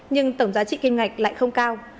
nhưng tổng giá trị kim ngạch lại không cao